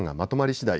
しだい